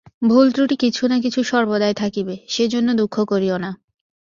ভুল-ত্রুটি কিছু না কিছু সর্বদাই থাকিবে, সেজন্য দুঃখ করিও না।